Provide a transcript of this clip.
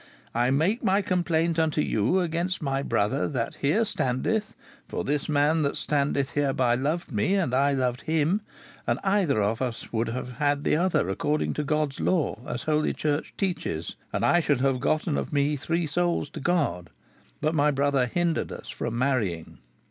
"I make my complaint unto you against my brother that here standeth; for this man that standeth hereby loved me, and I loved him, and either of us would have had the other according to God's law, as Holy Church teaches, and I should have gotten of me three souls to God, but my brother hindered us from marrying."